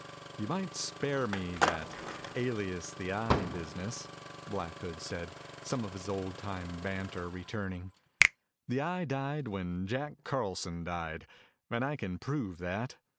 "You might spare me that 'alias, the Eye' business," Black Hood said, some of his old time banter returning. "The Eye died when Jack Carlson died, and I can prove that.